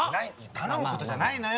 頼むことじゃないのよ！